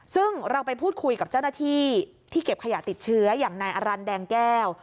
ซึ่งเราไปพูดคุยกับเจ้าหน้าที่ที่เก็บขยะติดเชื้ออย่างนายอรันแดงแก้ว